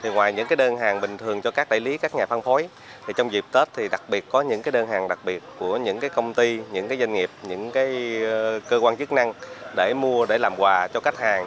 ngoài những đơn hàng bình thường cho các đại lý các nhà phân phối trong dịp tết thì đặc biệt có những đơn hàng đặc biệt của những công ty những doanh nghiệp những cơ quan chức năng để mua để làm quà cho khách hàng